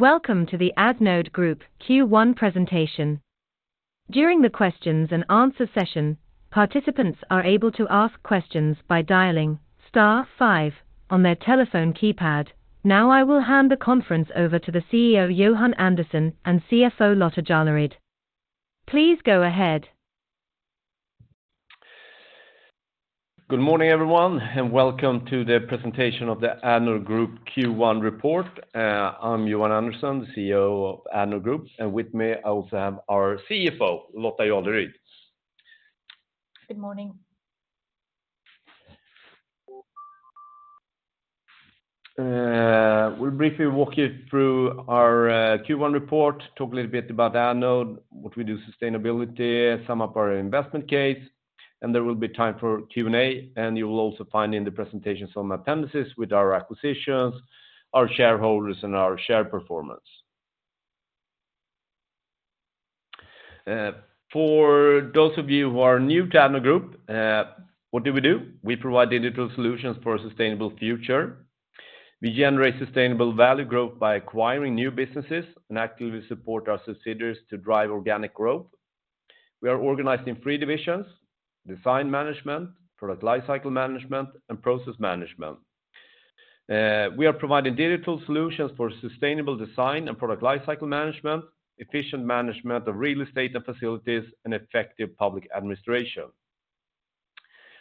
Welcome to the Addnode Group Q1 presentation. During the Q&A session, participants are able to ask questions by dialing star five on their telephone keypad. Now I will hand the conference over to the CEO, Johan Andersson, and CFO, Lotta Jarleryd. Please go ahead. Good morning, everyone, welcome to the presentation of the Addnode Group Q1 report. I'm Johan Andersson, the CEO of Addnode Group, and with me I also have our CFO, Lotta Jarleryd. Good morning. We'll briefly walk you through our Q1 report, talk a little bit about Addnode Group, what we do, sustainability, sum up our investment case, and there will be time for Q&A, and you will also find in the presentation some appendices with our acquisitions, our shareholders, and our share performance. For those of you who are new to Addnode Group, what do we do? We provide digital solutions for a sustainable future. We generate sustainable value growth by acquiring new businesses and actively support our subsidiaries to drive organic growth. We are organized in three divisions: Design Management, Product Lifecycle Management, and Process Management. We are providing digital solutions for sustainable design and Product Lifecycle Management, efficient management of real estate and facilities, and effective public administration.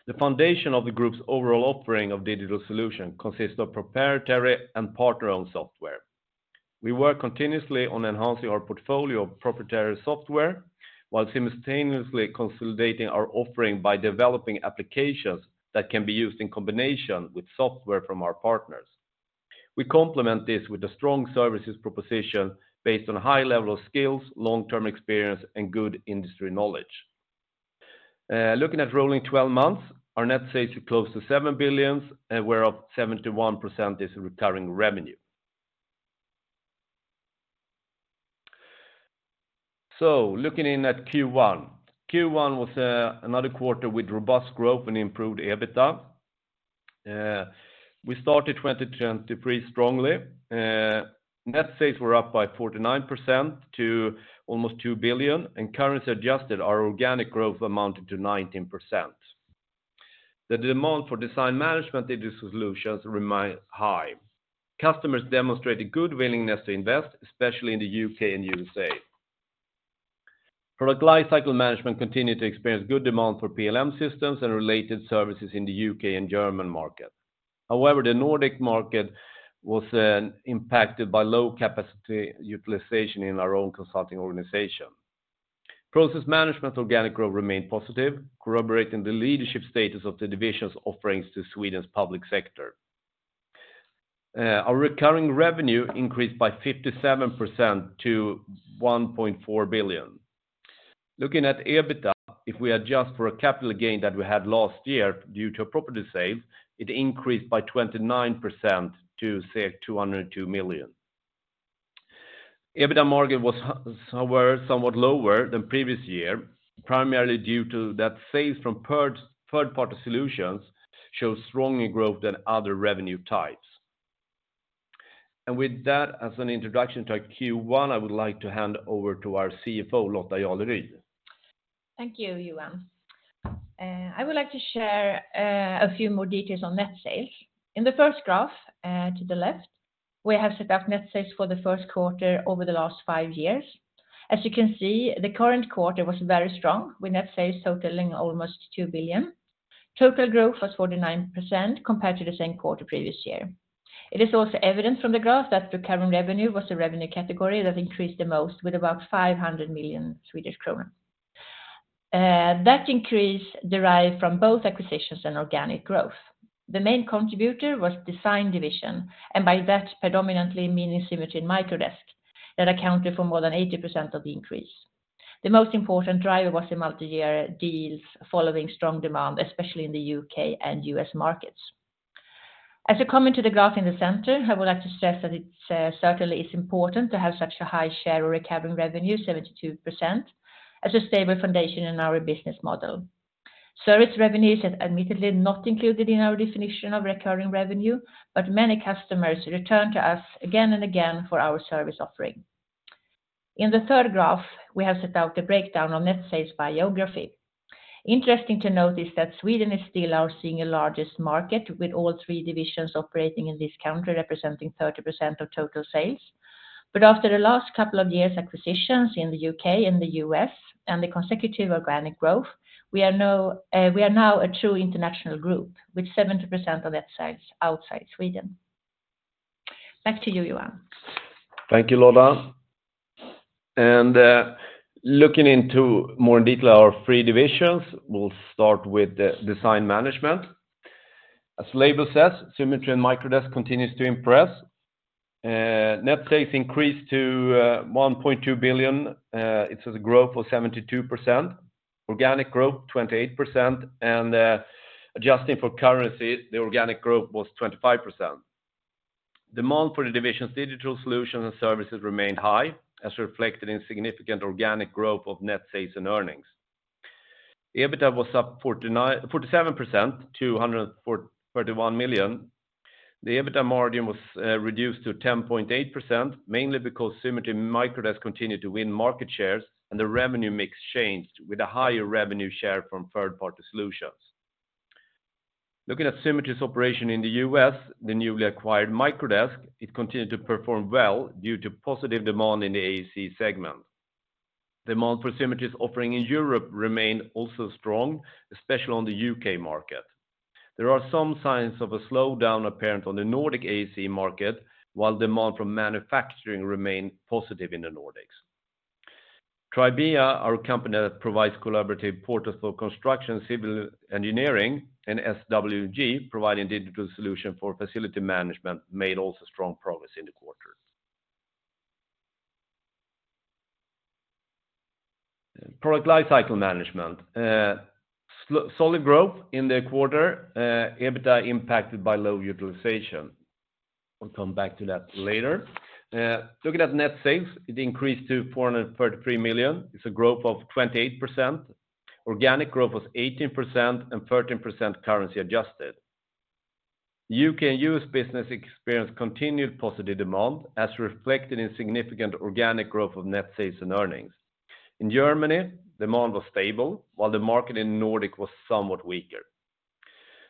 The foundation of the group's overall offering of digital solution consists of proprietary and partner-owned software. We work continuously on enhancing our portfolio of proprietary software while simultaneously consolidating our offering by developing applications that can be used in combination with software from our partners. We complement this with a strong services proposition based on a high level of skills, long-term experience, and good industry knowledge. Looking at rolling 12 months, our net sales are close to 7 billion, and whereof 71% is recurring revenue. Looking in at Q1. Q1 was another quarter with robust growth and improved EBITDA. We started 2020 pretty strongly. Net sales were up by 49% to almost 2 billion, and currency adjusted, our organic growth amounted to 19%. The demand for Design Management digital solutions remains high. Customers demonstrated good willingness to invest, especially in the U.K. and U.S.A. Product Lifecycle Management continued to experience good demand for PLM systems and related services in the U.K. and German market. The Nordic market was impacted by low capacity utilization in our own consulting organization. Process Management organic growth remained positive, corroborating the leadership status of the division's offerings to Sweden's public sector. Our recurring revenue increased by 57% to 1.4 billion. Looking at EBITDA, if we adjust for a capital gain that we had last year due to a property sale, it increased by 29% to 202 million. EBITDA margin was somewhat lower than previous year, primarily due to that sales from third-party solutions show stronger growth than other revenue types. With that as an introduction to our Q1, I would like to hand over to our CFO, Lotta Jarleryd. Thank you, Johan. I would like to share a few more details on net sales. In the first graph, to the left, we have set up net sales for the first quarter over the last five years. As you can see, the current quarter was very strong with net sales totaling almost 2 billion. Total growth was 49% compared to the same quarter previous year. It is also evident from the graph that recurring revenue was the revenue category that increased the most with about 500 million Swedish kronor. That increase derived from both acquisitions and organic growth. The main contributor was Design Management division, and by that predominantly meaning Symetri and Microdesk, that accounted for more than 80% of the increase. The most important driver was the multi-year deals following strong demand, especially in the U.K. and U.S. markets. As a comment to the graph in the center, I would like to stress that it's certainly is important to have such a high share of recurring revenue, 72%, as a stable foundation in our business model. Service revenues is admittedly not included in our definition of recurring revenue, but many customers return to us again and again for our service offering. In the third graph, we have set out a breakdown on net sales by geography. Interesting to note is that Sweden is still our single largest market with all three divisions operating in this country representing 30% of total sales. After the last couple of years acquisitions in the U.K. and the U.S. and the consecutive organic growth, we are now a true international group with 70% of net sales outside Sweden. Back to you, Johan. Thank you, Lotta. Looking into more in detail our three divisions, we'll start with the Design Management. As label says, Symetri and Microdesk continues to impress. Net sales increased to 1.2 billion. It is a growth of 72%. Organic growth, 28%. Adjusting for currency, the organic growth was 25%. Demand for the division's digital solutions and services remained high, as reflected in significant organic growth of net sales and earnings. EBITDA was up 47% to 131 million. The EBITDA margin was reduced to 10.8%, mainly because Symetri and Microdesk continued to win market shares and the revenue mix changed with a higher revenue share from third-party solutions. Looking at Symetri's operation in the U.S., the newly acquired Microdesk, it continued to perform well due to positive demand in the AEC segment. Demand for Symetri's offering in Europe remained also strong, especially on the U.K. market. There are some signs of a slowdown apparent on the Nordic AEC market, while demand from manufacturing remained positive in the Nordics. Tribia, our company that provides collaborative portals for construction, civil engineering, and SWG, providing digital solution for facility management, made also strong progress in the quarter. Product Lifecycle Management, solid growth in the quarter, EBITDA impacted by low utilization. We'll come back to that later. Looking at net sales, it increased to 433 million. It's a growth of 28%. Organic growth was 18% and 13% currency adjusted. U.K. and U.S. business experience continued positive demand, as reflected in significant organic growth of net sales and earnings. In Germany, demand was stable, while the market in Nordic was somewhat weaker.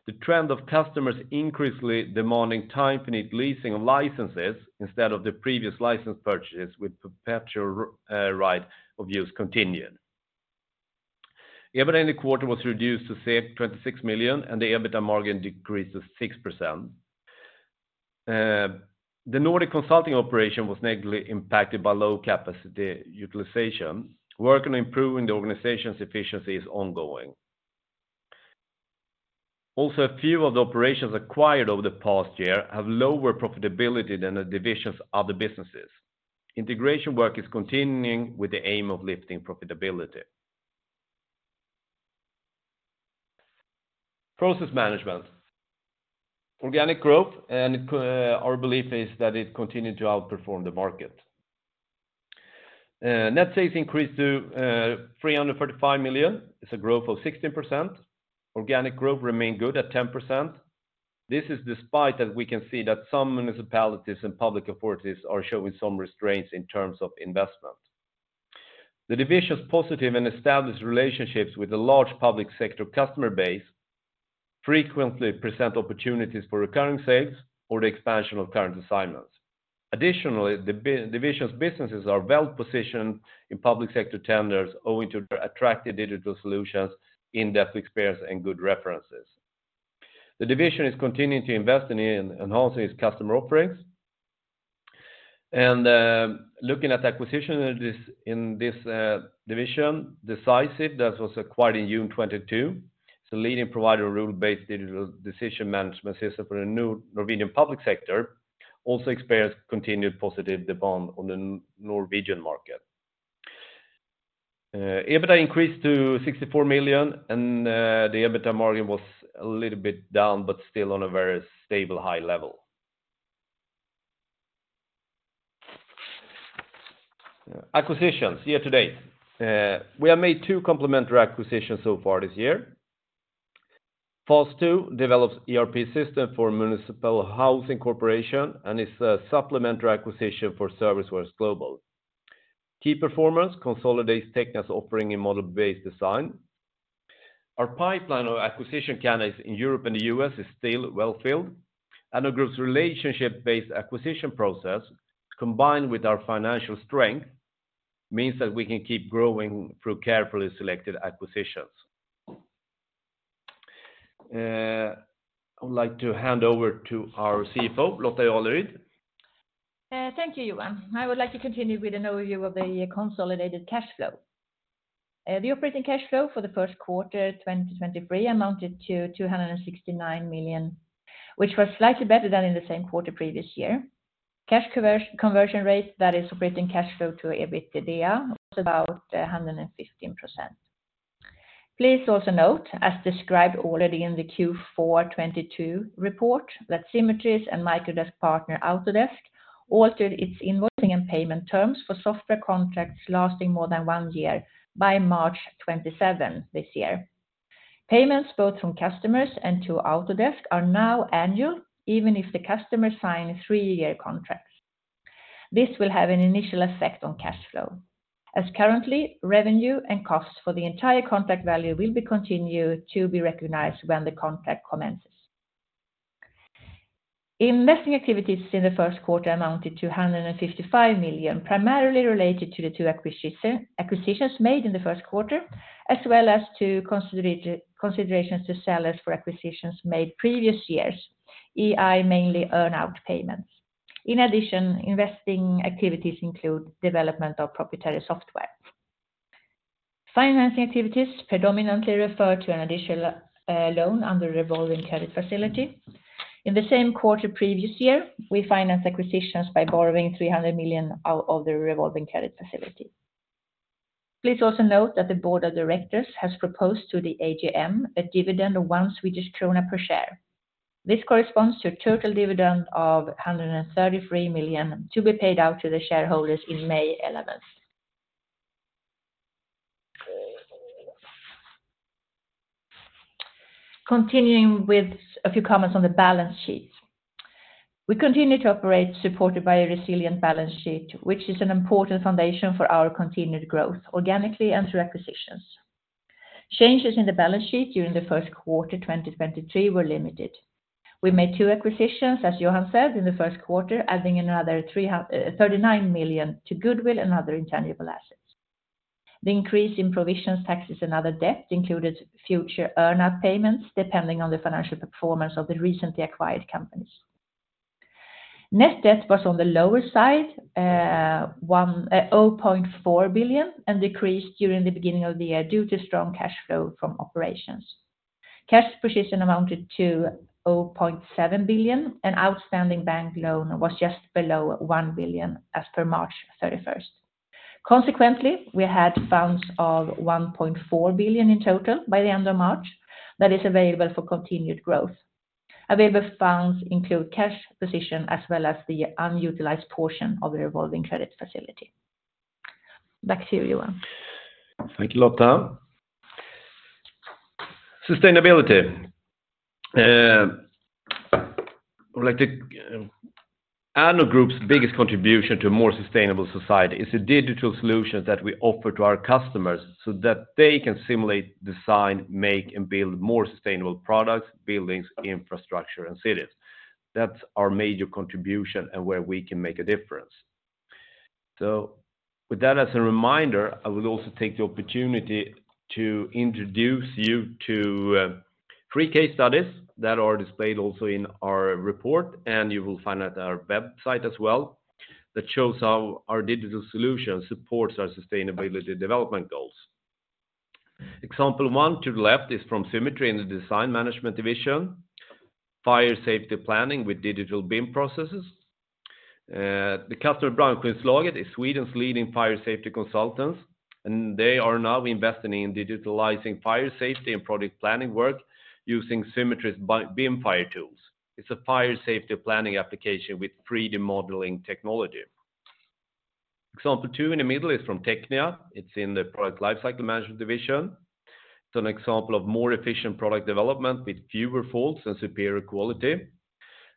The trend of customers increasingly demanding time-finite leasing of licenses instead of the previous license purchases with perpetual right of use continued. EBITDA in the quarter was reduced to 26 million, and the EBITDA margin decreased to 6%. The Nordic consulting operation was negatively impacted by low capacity utilization. Work on improving the organization's efficiency is ongoing. A few of the operations acquired over the past year have lower profitability than the divisions of other businesses. Integration work is continuing with the aim of lifting profitability. Process Management. Organic growth, and our belief is that it continued to outperform the market. Net sales increased to 335 million. It's a growth of 16%. Organic growth remained good at 10%. This is despite that we can see that some municipalities and public authorities are showing some restraints in terms of investment. The division's positive and established relationships with a large public sector customer base frequently present opportunities for recurring sales or the expansion of current assignments. Additionally, the division's businesses are well-positioned in public sector tenders owing to their attractive digital solutions, in-depth experience, and good references. The division is continuing to invest in enhancing its customer offerings. Looking at acquisitions in this division, Decisive, that was acquired in June 2022. It's a leading provider of rule-based digital decision management system for the Norwegian public sector, also experienced continued positive demand on the Norwegian market. EBITDA increased to 64 million, and the EBITDA margin was a little bit down, but still on a very stable high level. Acquisitions year to date. We have made two complementary acquisitions so far this year. FAST2 develops ERP system for municipal housing corporation and is a supplementary acquisition for Service Works Global. Key Performance consolidates TECHNIA's offering in model-based design. Our pipeline of acquisition candidates in Europe and the U.S. is still well-filled, and the group's relationship-based acquisition process, combined with our financial strength, means that we can keep growing through carefully selected acquisitions. I would like to hand over to our CFO, Lotta Jarleryd. Thank you, Johan. I would like to continue with an overview of the consolidated cash flow. The operating cash flow for the first quarter 2023 amounted to 269 million, which was slightly better than in the same quarter previous year. Cash conversion rate, that is operating cash flow to EBITDA, was about 115%. Please also note, as described already in the Q4 2022 report, that Symetri and Microdesk partner, Autodesk, altered its invoicing and payment terms for software contracts lasting more than one year by March 27 this year. Payments both from customers and to Autodesk are now annual, even if the customer sign three-year contracts. This will have an initial effect on cash flow, as currently, revenue and costs for the entire contract value will be continued to be recognized when the contract commences. Investing activities in the first quarter amounted to 155 million, primarily related to the two acquisitions made in the first quarter, as well as to considerations to sellers for acquisitions made previous years, e.i, mainly earn out payments. In addition, investing activities include development of proprietary software. Financing activities predominantly refer to an additional loan under revolving credit facility. In the same quarter previous year, we financed acquisitions by borrowing 300 million out of the revolving credit facility. Please also note that the board of directors has proposed to the AGM a dividend of 1 Swedish krona per share. This corresponds to total dividend of 133 million to be paid out to the shareholders in May 11th. Continuing with a few comments on the balance sheet. We continue to operate supported by a resilient balance sheet, which is an important foundation for our continued growth organically and through acquisitions. Changes in the balance sheet during the first quarter 2023 were limited. We made two acquisitions, as Johan said, in the first quarter, adding another 39 million to goodwill and other intangible assets. The increase in provisions, taxes, and other debt included future earn out payments depending on the financial performance of the recently acquired companies. Net debt was on the lower side, 0.4 billion, and decreased during the beginning of the year due to strong cash flow from operations. Cash position amounted to 0.7 billion, and outstanding bank loan was just below 1 billion as per March 31st. Consequently, we had funds of 1.4 billion in total by the end of March that is available for continued growth. Available funds include cash position as well as the unutilized portion of the revolving credit facility. Back to you, Johan. Thank you, Lotta. Sustainability. Addnode Group's biggest contribution to a more sustainable society is the digital solutions that we offer to our customers so that they can simulate, design, make, and build more sustainable products, buildings, infrastructure, and cities. That's our major contribution and where we can make a difference. With that as a reminder, I will also take the opportunity to introduce you to three case studies that are displayed also in our report, and you will find at our website as well, that shows how our digital solutions supports our sustainability development goals. Example one to the left is from Symetri in the Design Management division, fire safety planning with digital BIM processes. The customer Brandskyddslaget is Sweden's leading fire safety consultants, and they are now investing in digitalizing fire safety and product planning work using Symetri's Bimfire Tools tools. It's a fire safety planning application with 3D modeling technology. Example two in the middle is from TECHNIA. It's in the Product Lifecycle Management division. It's an example of more efficient product development with fewer faults and superior quality.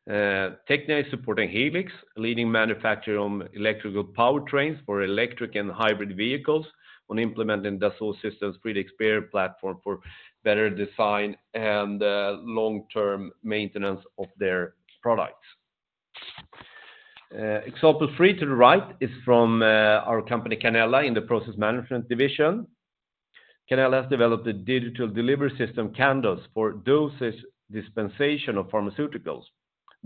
TECHNIA is supporting Helix, a leading manufacturer on electrical powertrains for electric and hybrid vehicles, on implementing Dassault Systèmes' 3DEXPERIENCE platform for better design and long-term maintenance of their products. Example three to the right is from our company Canella in the Process Management division. Canella has developed a digital delivery system, Candos, for dosage dispensation of pharmaceuticals.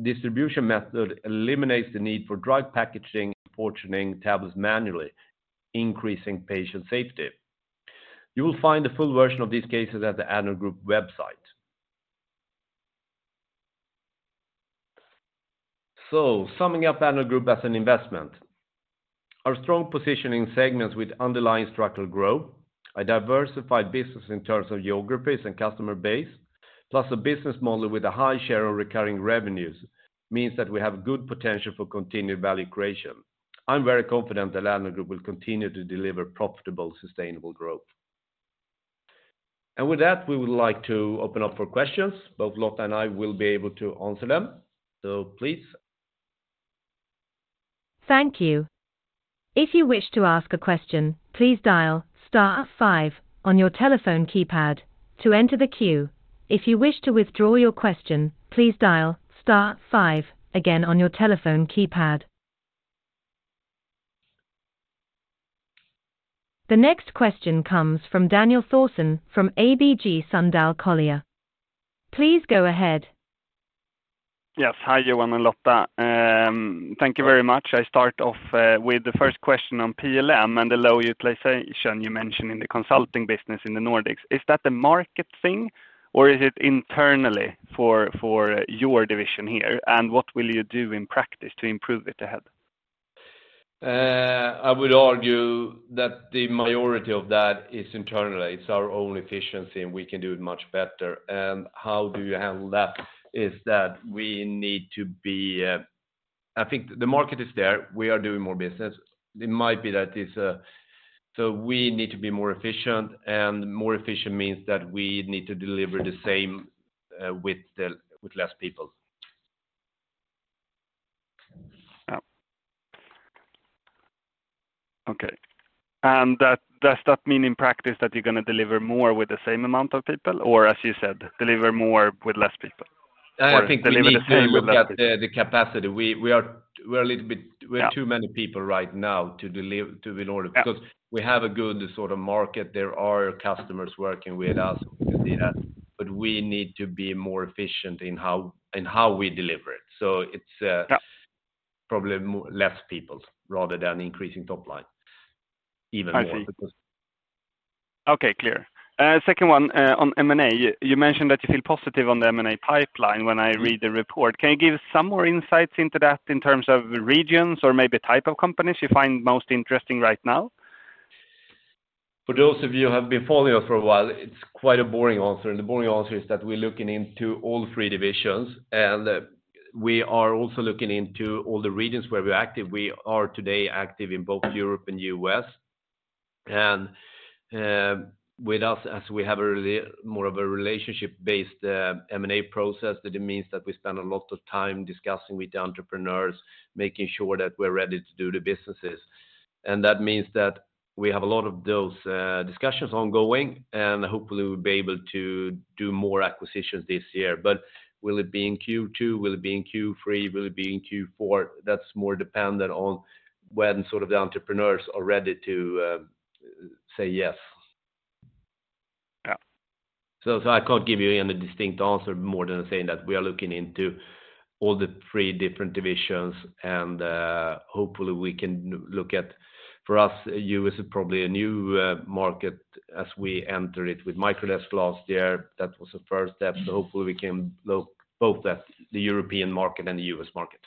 Distribution method eliminates the need for drug packaging and portioning tablets manually, increasing patient safety. You will find the full version of these cases at the Addnode Group website. Summing up Addnode Group as an investment, our strong position in segments with underlying structural growth, a diversified business in terms of geographies and customer base, plus a business model with a high share of recurring revenues means that we have good potential for continued value creation. I'm very confident that Addnode Group will continue to deliver profitable, sustainable growth. With that, we would like to open up for questions. Both Lotta and I will be able to answer them. Please. Thank you. If you wish to ask a question, please dial star five on your telephone keypad to enter the queue. If you wish to withdraw your question, please dial star five again on your telephone keypad. The next question comes from Daniel Thorsson from ABG Sundal Collier. Please go ahead. Yes. Hi, Johan and Lotta. Thank you very much. I start off with the first question on PLM and the low utilization you mentioned in the consulting business in the Nordics. Is that a market thing, or is it internally for your division here? What will you do in practice to improve it ahead? I would argue that the majority of that is internally. It's our own efficiency, and we can do it much better. How do you handle that is that we need to be. I think the market is there. We are doing more business. It might be that it's, so we need to be more efficient, and more efficient means that we need to deliver the same with less people. Yeah. Okay. That, does that mean in practice that you're going to deliver more with the same amount of people, or as you said, deliver more with less people? Deliver the same with less people? I think we need to look at the capacity. We are a little bit. We are too many people right now to. Yeah. We have a good sort of market. There are customers working with us, as you see that, we need to be more efficient in how we deliver it. It's probably more, less people rather than increasing top line even more. I see. Okay. Clear. Second one on M&A. You mentioned that you feel positive on the M&A pipeline when I read the report. Can you give some more insights into that in terms of regions or maybe type of companies you find most interesting right now? For those of you who have been following us for a while, it's quite a boring answer, and the boring answer is that we're looking into all three divisions, and we are also looking into all the regions where we're active. We are today active in both Europe and U.S. With us, as we have a more of a relationship-based M&A process, that it means that we spend a lot of time discussing with the entrepreneurs, making sure that we're ready to do the businesses. That means that we have a lot of those discussions ongoing, and hopefully we'll be able to do more acquisitions this year. Will it be in Q2, will it be in Q3, will it be in Q4? That's more dependent on when sort of the entrepreneurs are ready to say yes. Yeah. I can't give you any distinct answer more than saying that we are looking into all the three different divisions, and hopefully we can look at. For us, U.S. is probably a new market as we enter it with Microdesk last year. That was the first step. Hopefully we can look both at the European market and the U.S. market.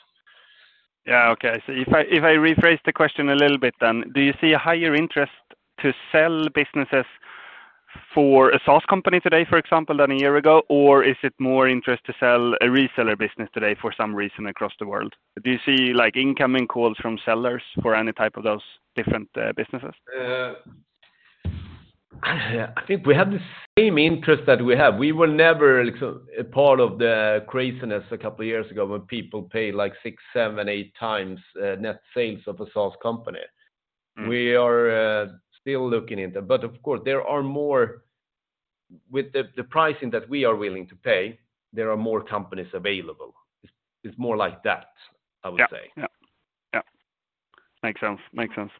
Yeah. Okay. If I rephrase the question a little bit then, do you see a higher interest to sell businesses for a SaaS company today, for example, than a year ago? Or is it more interest to sell a reseller business today for some reason across the world? Do you see, like, incoming calls from sellers for any type of those different businesses? I think we have the same interest that we have. We were never part of the craziness a couple of years ago when people pay like 6x, 7x, 8x net sales of a SaaS company. We are still looking into it. Of course, With the pricing that we are willing to pay, there are more companies available. It's more like that, I would say. Yeah. Yeah. Yeah. Makes sense. Makes sense.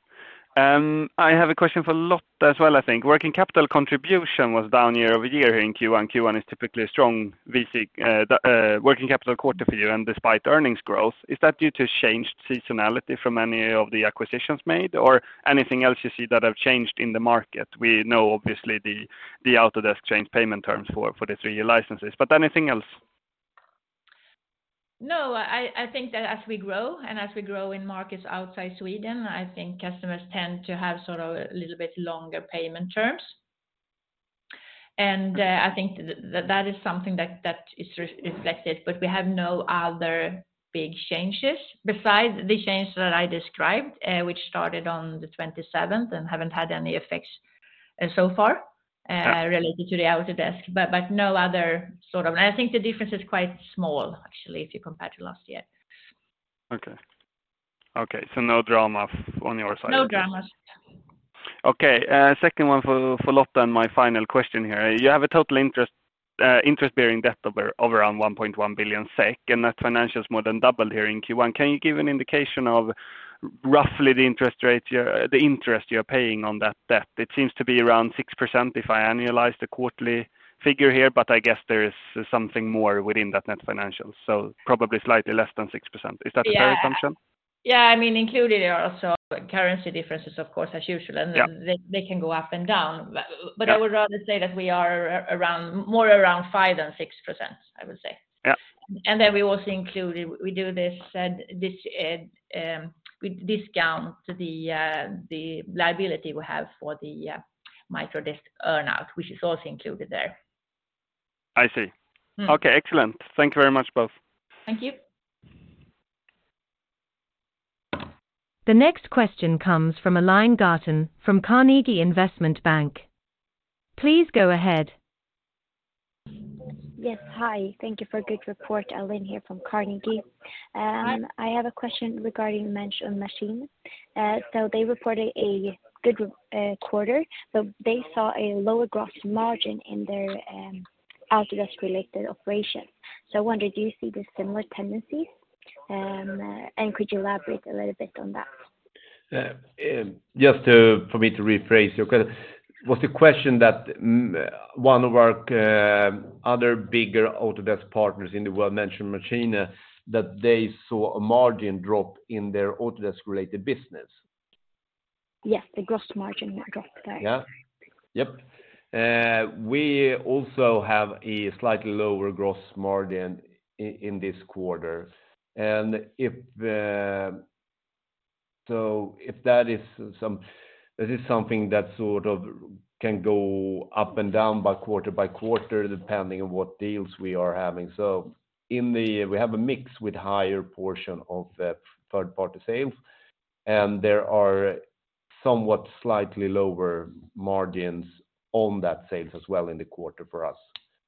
I have a question for Lotta as well, I think. Working capital contribution was down year-over-year in Q1. Q1 is typically a strong VC working capital quarter for you and despite earnings growth. Is that due to changed seasonality from any of the acquisitions made or anything else you see that have changed in the market? We know, obviously, the Autodesk change payment terms for the three-year licenses, but anything else? No, I think that as we grow and as we grow in markets outside Sweden, I think customers tend to have sort of a little bit longer payment terms. I think that is something that is reflected. We have no other big changes besides the change that I described, which started on the 27th and haven't had any effects so far related to the Autodesk, but no other sort of. I think the difference is quite small, actually, if you compare to last year. Okay. Okay. No drama on your side. No dramas. Okay. Second one for Lotta, my final question here. You have a total interest-bearing debt of around 1.1 billion SEK. That financial is more than doubled here in Q1. Can you give an indication of roughly the interest you're paying on that debt? It seems to be around 6% if I annualize the quarterly figure here, but I guess there is something more within that net financial. Probably slightly less than 6%. Is that a fair assumption? Yeah. Yeah, I mean, included are also currency differences, of course, as usual. They can go up and down. I would rather say that we are around, more around 5% than 6%, I would say. Yeah. We do this, we discount the liability we have for the Microdesk earn out, which is also included there. I see. Okay, excellent. Thank you very much, both. Thank you. The next question comes from Aline Ghatan from Carnegie Investment Bank. Please go ahead. Yes. Hi. Thank you for a good report. Aline here from Carnegie. I have a question regarding Mensch und Maschine. They reported a good quarter, but they saw a lower gross margin in their Autodesk related operation. I wonder, do you see the similar tendencies, and could you elaborate a little bit on that? Just for me to rephrase you, 'cause was the question that one of our other bigger Autodesk partners in the world mentioned Machine, that they saw a margin drop in their Autodesk related business? Yes, a gross margin drop there. Yeah. Yep. We also have a slightly lower gross margin in this quarter. If that is something that sort of can go up and down by quarter by quarter, depending on what deals we are having. We have a mix with higher portion of third-party sales, and there are somewhat slightly lower margins on that sales as well in the quarter for us.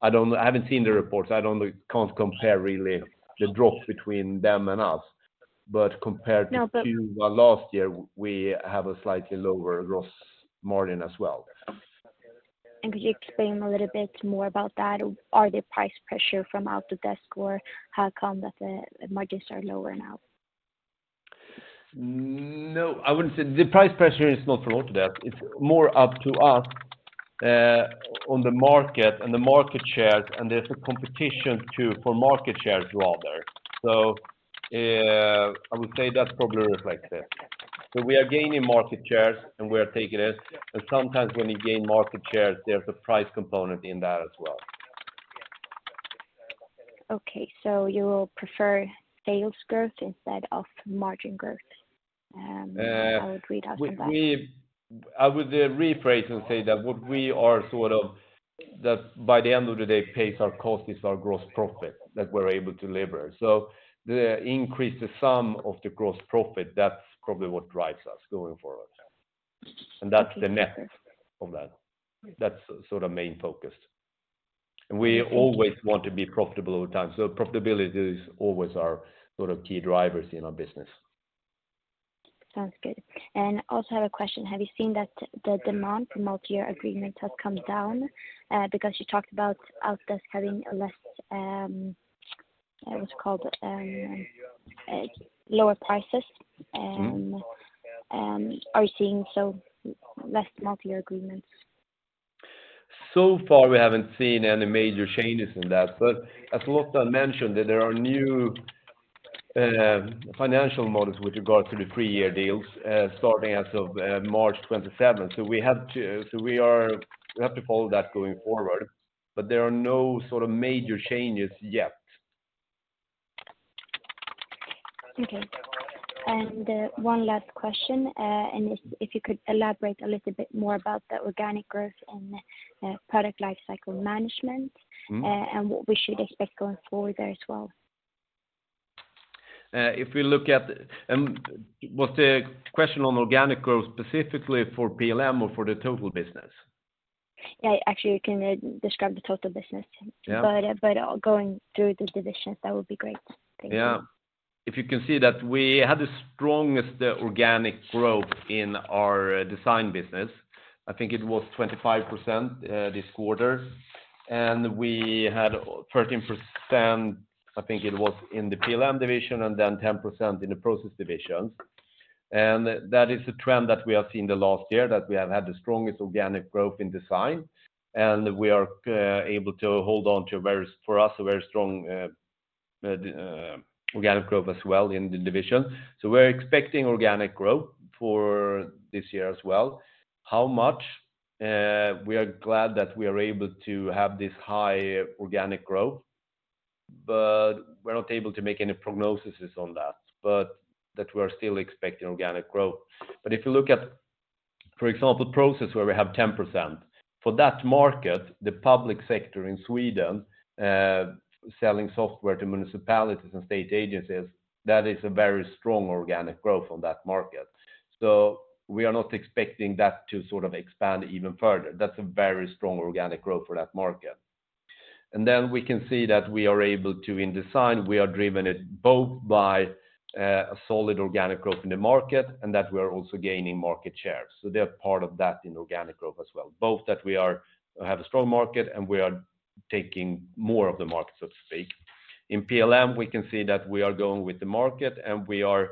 I don't know. I haven't seen the reports. I don't know. Can't compare really the drop between them and us. Compared to last year, we have a slightly lower gross margin as well. Could you explain a little bit more about that? Are there price pressure from Autodesk, or how come that the margins are lower now? The price pressure is not from Autodesk. It's more up to us on the market and the market shares, and there's a competition too for market shares rather. I would say that's probably reflected. We are gaining market shares, and we are taking it. Sometimes when you gain market shares, there's a price component in that as well. Okay. You will prefer sales growth instead of margin growth? I would read out from that. I would rephrase and say that what we are sort of that by the end of the day, pays our cost is our gross profit that we're able to lever. The increase the sum of the gross profit, that's probably what drives us going forward. Okay. That's the net of that. That's sort of main focus. We always want to be profitable over time. Profitability is always our sort of key drivers in our business. Sounds good. Also have a question, have you seen that the demand for multi-year agreement has come down? Because you talked about Autodesk having a less, lower prices. Are you seeing so less multi-year agreements? Far, we haven't seen any major changes in that. As Lotta mentioned, that there are new financial models with regard to the three-year deals, starting as of March 27th. We have to follow that going forward, there are no sort of major changes yet. Okay. One last question, if you could elaborate a little bit more about the organic growth and Product Lifecycle Management. What we should expect going forward there as well. Was the question on organic growth specifically for PLM or for the total business? Actually, you can describe the total business. Yeah. Going through the divisions, that would be great. Thank you. Yeah. If you can see that we had the strongest organic growth in our Design Management business, I think it was 25% this quarter. We had 13%, I think it was in the PLM division and then 10% in the Process Management division. That is a trend that we have seen the last year, that we have had the strongest organic growth in Design Management, and we are able to hold on to a very, for us, a very strong organic growth as well in the division. We're expecting organic growth for this year as well. How much? We are glad that we are able to have this high organic growth, we're not able to make any prognoses on that. That we're still expecting organic growth. If you look at, for example, Process Management where we have 10%. For that market, the public sector in Sweden, selling software to municipalities and state agencies, that is a very strong organic growth on that market. We are not expecting that to sort of expand even further. That's a very strong organic growth for that market. We can see that we are able to, in Design, we are driven it both by a solid organic growth in the market and that we are also gaining market share. They're part of that in organic growth as well. Both that we have a strong market and we are taking more of the market, so to speak. In PLM, we can see that we are going with the market, and we are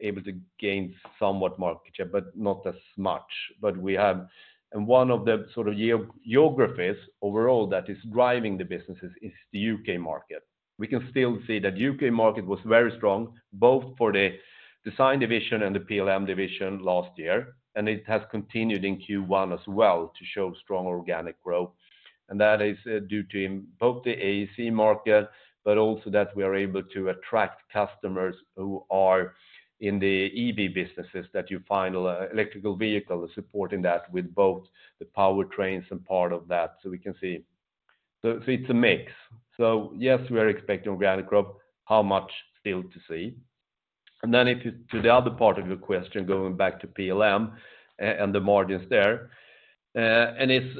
able to gain somewhat market share, but not as much. We have. One of the sort of geographies overall that is driving the businesses is the U.K. market. We can still see that U.K. market was very strong, both for the Design division and the PLM division last year, and it has continued in Q1 as well to show strong organic growth. That is due to both the AEC market, but also that we are able to attract customers who are in the EV businesses that you find electrical vehicle supporting that with both the powertrains and part of that. It's a mix. Yes, we are expecting organic growth. How much? Still to see. Then if to the other part of your question, going back to PLM and the margins there. It's,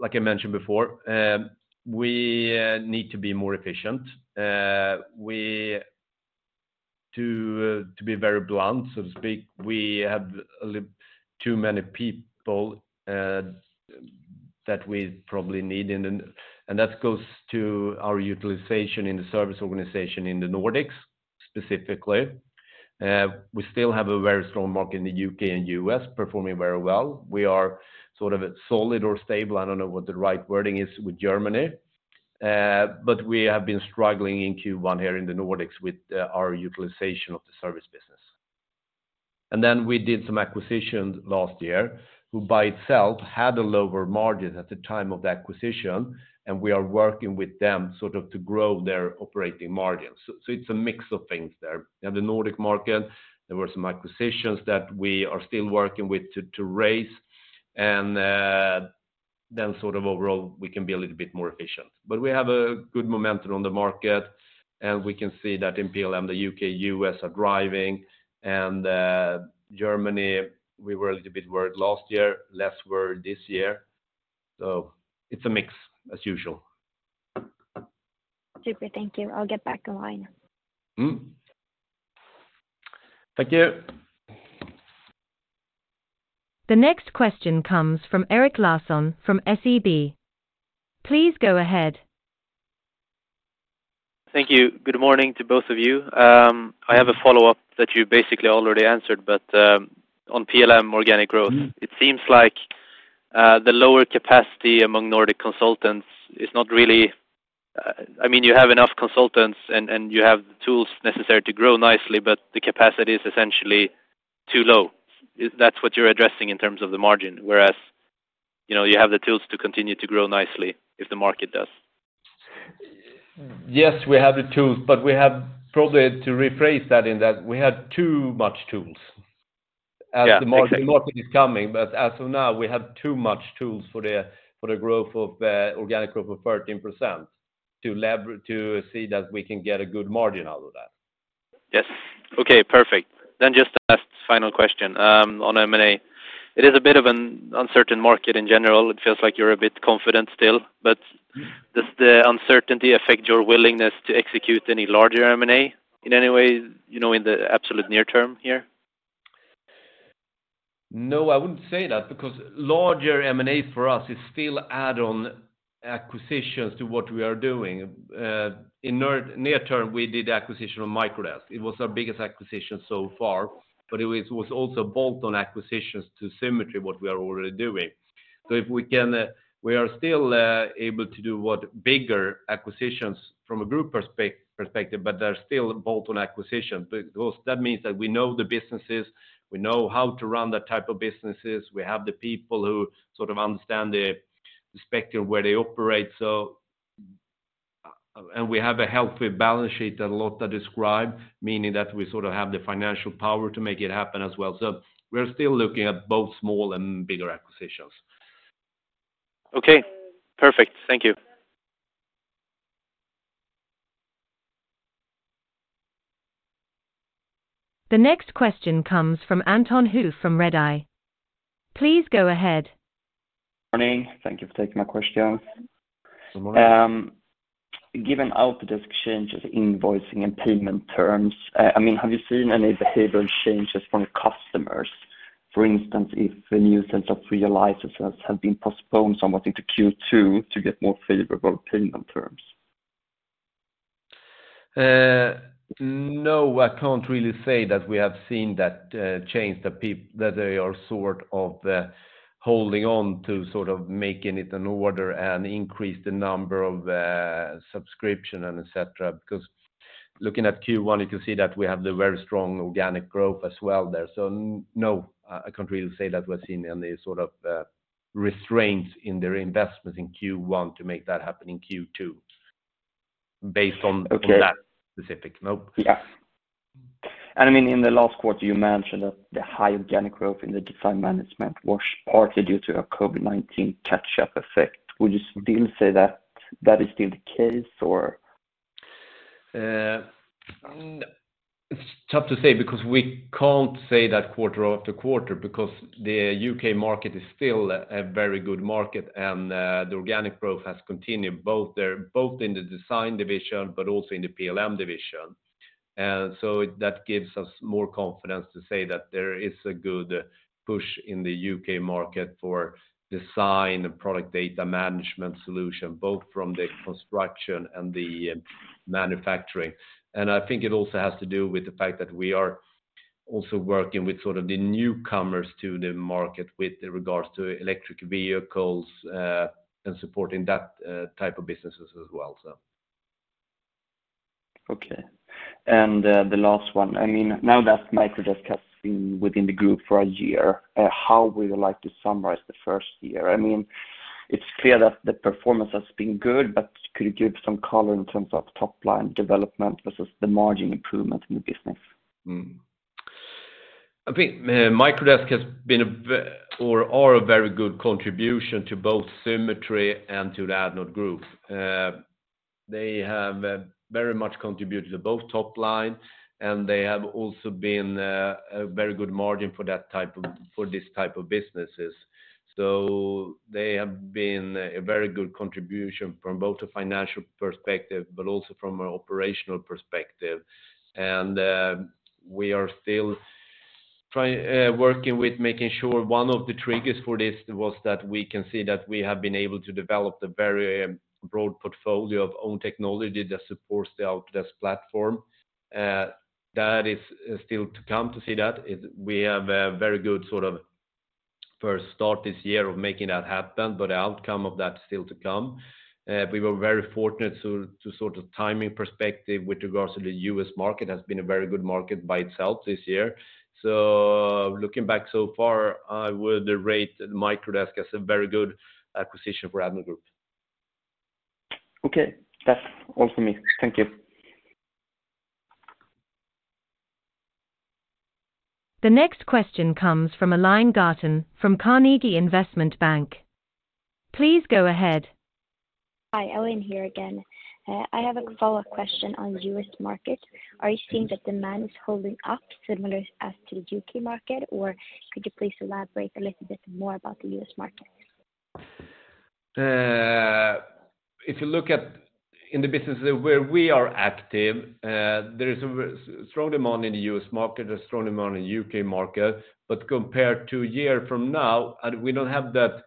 like I mentioned before, we need to be more efficient. To be very blunt, so to speak, we have too many people that we probably need. That goes to our utilization in the service organization in the Nordics, specifically. We still have a very strong market in the U.K. and U.S. performing very well. We are sort of solid or stable, I don't know what the right wording is, with Germany. We have been struggling in Q1 here in the Nordics with our utilization of the service business. We did some acquisitions last year, who by itself had a lower margin at the time of the acquisition, and we are working with them sort of to grow their operating margin. It's a mix of things there. In the Nordic market, there were some acquisitions that we are still working with to raise. Then sort of overall, we can be a little bit more efficient. We have a good momentum on the market, and we can see that in PLM, the U.K., U.S. are driving. Germany, we were a little bit worried last year, less worried this year. It's a mix as usual. Super. Thank you. I'll get back in line. Thank you. The next question comes from Erik Larsson from SEB. Please go ahead. Thank you. Good morning to both of you. I have a follow-up that you basically already answered, but, on PLM organic growth. It seems like the lower capacity among Nordic consultants is not really. I mean, you have enough consultants and you have the tools necessary to grow nicely, but the capacity is essentially too low. That's what you're addressing in terms of the margin, whereas You know, you have the tools to continue to grow nicely if the market does. Yes, we have the tools, but we have probably to rephrase that in that we have too much tools. Yeah. as the margin market is coming. As of now, we have too much tools for the, for the growth of, organic growth of 13% to see that we can get a good margin out of that. Yes. Okay, perfect. Just a last final question, on M&A. It is a bit of an uncertain market in general. It feels like you're a bit confident still. Does the uncertainty affect your willingness to execute any larger M&A in any way, you know, in the absolute near term here? No, I wouldn't say that because larger M&A for us is still add-on acquisitions to what we are doing. In near term, we did acquisition of Microdesk. It was our biggest acquisition so far, but it was also bolt-on acquisitions to Symetri, what we are already doing. If we can, we are still able to do what bigger acquisitions from a group perspective, but they're still bolt-on acquisition. Because that means that we know the businesses, we know how to run that type of businesses. We have the people who sort of understand the spectrum where they operate. And we have a healthy balance sheet that Lotta described, meaning that we sort of have the financial power to make it happen as well. We're still looking at both small and bigger acquisitions. Okay. Perfect. Thank you. The next question comes from Anton Hoof from Redeye. Please go ahead. Morning. Thank you for taking my question. Good morning. Given how the exchange of invoicing and payment terms, I mean, have you seen any behavioral changes from your customers? For instance, if a new set of realizers have been postponed somewhat into Q2 to get more favorable payment terms? No, I can't really say that we have seen that change that they are sort of holding on to sort of making it an order and increase the number of subscription and et cetera. Looking at Q1, you can see that we have the very strong organic growth as well there. No, I can't really say that we're seeing any sort of restraints in their investments in Q1 to make that happen in Q2 based on that specific. No. Yeah. I mean, in the last quarter, you mentioned that the high organic growth in the Design Management was partly due to a COVID-19 catch-up effect. Would you still say that that is still the case or? It's tough to say because we can't say that quarter after quarter because the U.K. market is still a very good market and the organic growth has continued both there, both in the design division but also in the PLM division. That gives us more confidence to say that there is a good push in the U.K. market for design and product data management solution, both from the construction and the manufacturing. I think it also has to do with the fact that we are also working with sort of the newcomers to the market with regards to electric vehicles and supporting that type of businesses as well, so. Okay. The last one. I mean, now that Microdesk has been within the group for a year, how would you like to summarize the first year? I mean, it's clear that the performance has been good, but could you give some color in terms of top-line development versus the margin improvement in the business? I think, Microdesk has been or are a very good contribution to both Symetri and to the Addnode Group. They have very much contributed to both top line, and they have also been a very good margin for that type of, for this type of businesses. They have been a very good contribution from both a financial perspective, but also from an operational perspective. We are still working with making sure one of the triggers for this was that we can see that we have been able to develop the very broad portfolio of own technology that supports the Autodesk platform. That is still to come to see that. We have a very good sort of first start this year of making that happen, but the outcome of that is still to come. We were very fortunate to sort of timing perspective with regards to the U.S. market has been a very good market by itself this year. Looking back so far, I would rate Microdesk as a very good acquisition for Addnode Group. Okay. That's all for me. Thank you. The next question comes from Aline Ghatan from Carnegie Investment Bank. Please go ahead. Hi, Aline here again. I have a follow-up question on U.S. market. Are you seeing that demand is holding up similar as to the U.K. market, or could you please elaborate a little bit more about the U.S. market? If you look at in the businesses where we are active, there is a strong demand in the U.S. market, a strong demand in U.K. market. Compared to a year from now, and we don't have that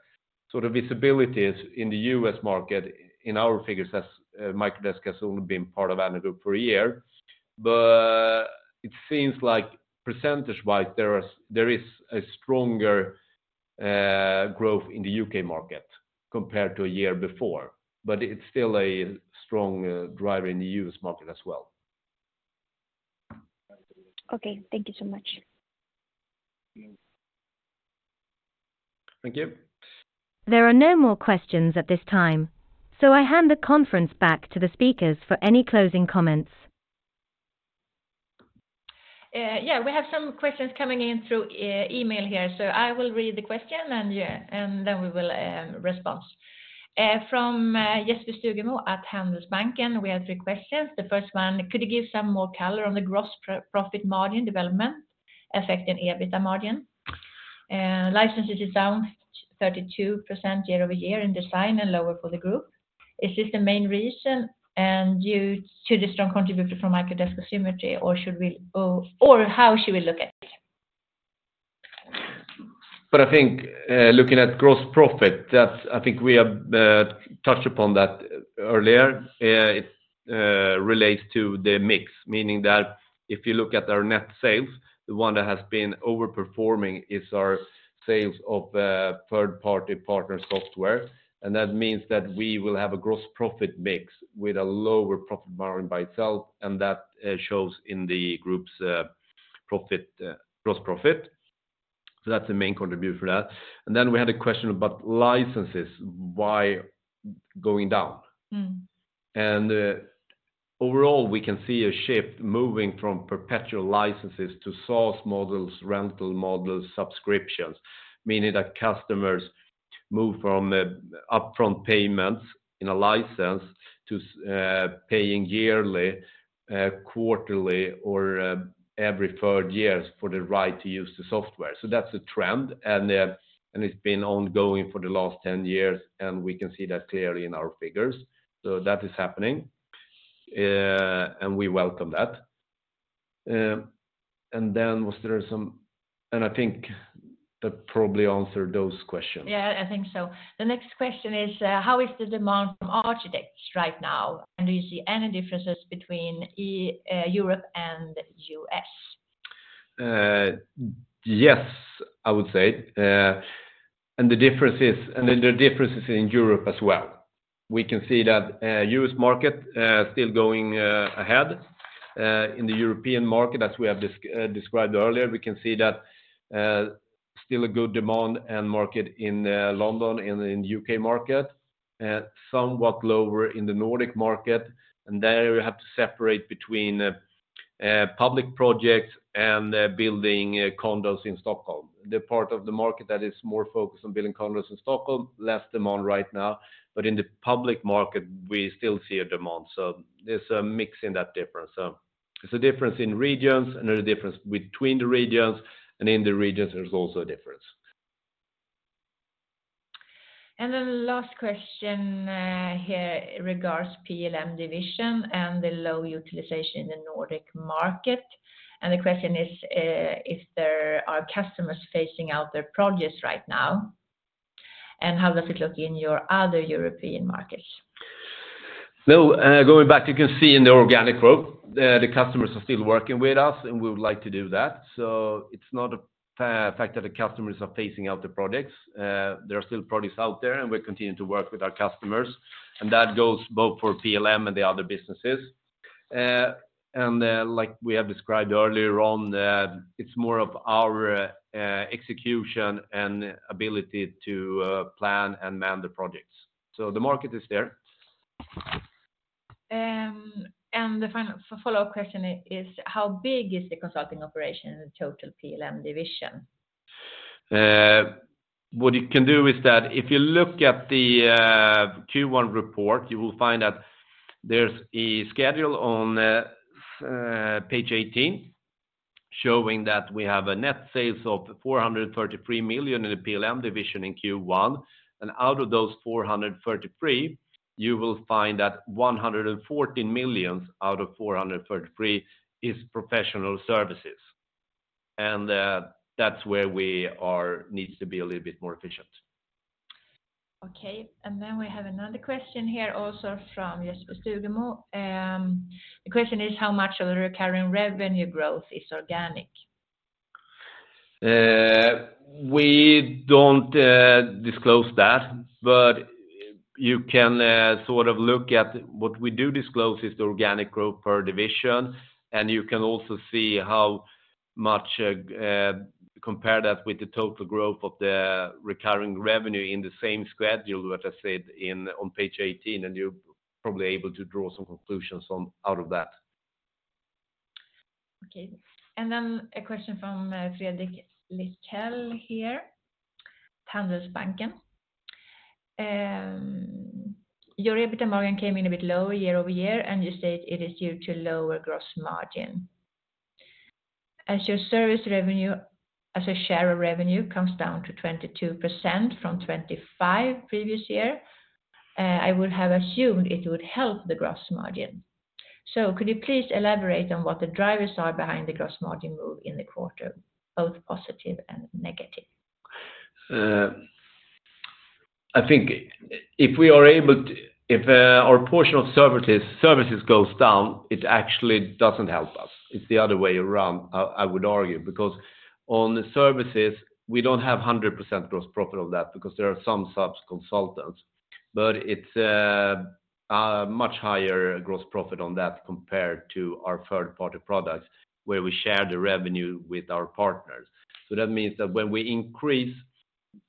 sort of visibility in the U.S. market in our figures as Microdesk has only been part of Addnode Group for a year. It seems like percentage-wise, there is a stronger growth in the U.K. market compared to a year before, but it's still a strong driver in the U.S. market as well. Okay, thank you so much. Thank you. There are no more questions at this time, so I hand the conference back to the speakers for any closing comments. We have some questions coming in through email here. I will read the question and then we will response. From Jesper Stugemo at Handelsbanken, we have three questions. The first one, could you give some more color on the gross profit margin development affecting EBITDA margin? Licenses is down 32% year-over-year in Design and lower for the group. Is this the main reason and due to the strong contribution from Autodesk Symetri, or should we, or how should we look at it? I think looking at gross profit, I think we have touched upon that earlier. It relates to the mix, meaning that if you look at our net sales, the one that has been overperforming is our sales of third-party partner software. That means that we will have a gross profit mix with a lower profit margin by itself, and that shows in the group's profit, gross profit. That's the main contributor for that. Then we had a question about licenses, why going down. Overall, we can see a shift moving from perpetual licenses to SaaS models, rental models, subscriptions, meaning that customers move from upfront payments in a license to paying yearly, quarterly, or every third years for the right to use the software. That's a trend, and it's been ongoing for the last 10 years, and we can see that clearly in our figures. That is happening, and we welcome that. Then was there some. I think that probably answered those questions. Yeah, I think so. The next question is, how is the demand from architects right now? Do you see any differences between Europe and U.S.? Yes, I would say. There are differences in Europe as well. We can see that, U.S. market still going ahead. In the European market, as we have described earlier, we can see that still a good demand and market in London and in U.K. market, somewhat lower in the Nordic market. There, we have to separate between public projects and building condos in Stockholm. The part of the market that is more focused on building condos in Stockholm, less demand right now. In the public market, we still see a demand. There's a mix in that difference. It's a difference in regions, another difference between the regions, and in the regions, there's also a difference. The last question, here regards PLM division and the low utilization in the Nordic market. The question is, if there are customers phasing out their projects right now, and how does it look in your other European markets? No, going back, you can see in the organic growth, the customers are still working with us, and we would like to do that. It's not a fact that the customers are phasing out the projects. There are still projects out there, and we continue to work with our customers. That goes both for PLM and the other businesses. Like we have described earlier on, it's more of our execution and ability to plan and man the projects. The market is there. The final follow-up question is how big is the consulting operation in the total PLM division? What you can do is that if you look at the Q1 report, you will find that there's a schedule on page 18 showing that we have a net sales of 433 million in the PLM division in Q1. Out of those 433, you will find that 114 million out of 433 is professional services. That's where needs to be a little bit more efficient. Okay. Then we have another question here also from Jesper Stugemo. The question is, how much of the recurring revenue growth is organic? We don't disclose that. You can sort of look at what we do disclose is the organic growth per division. You can also see how much compare that with the total growth of the recurring revenue in the same schedule that I said in, on page 18. You're probably able to draw some conclusions from, out of that. Okay. A question from Fredrik Lithell here, Handelsbanken. Your EBITDA margin came in a bit lower year-over-year, and you state it is due to lower gross margin. As your service revenue, as a share of revenue comes down to 22% from 25% previous year, I would have assumed it would help the gross margin. Could you please elaborate on what the drivers are behind the gross margin move in the quarter, both positive and negative? I think if our portion of services goes down, it actually doesn't help us. It's the other way around, I would argue, because on the services, we don't have 100% gross profit of that because there are some subs consultants. It's a much higher gross profit on that compared to our third-party products, where we share the revenue with our partners. That means that when we increase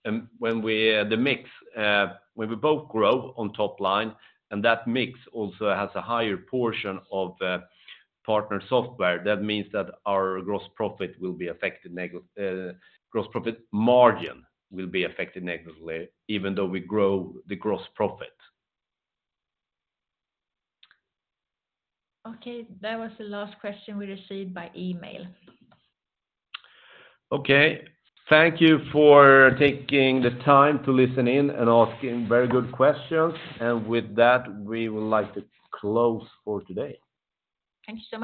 the mix, when we both grow on top line and that mix also has a higher portion of partner software, that means that our gross profit will be affected gross profit margin will be affected negatively, even though we grow the gross profit. Okay. That was the last question we received by email. Okay. Thank you for taking the time to listen in and asking very good questions. With that, we would like to close for today. Thank you.